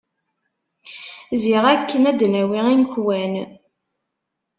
Ziɣ akken ad d-nawi imekwan.